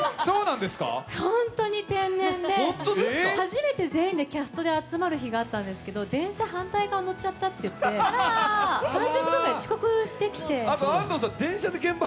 本当に天然で、初めて全員でキャストが集まる日があるんですけど電車反対側に乗っちゃったと言って３０分ぐらい遅刻してきて。